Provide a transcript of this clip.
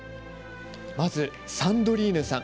まずサンドリーヌさん